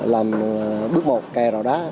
làm bước một kè rọ đá